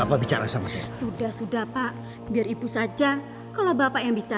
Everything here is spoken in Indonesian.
ada sesuatu di hutan ini ji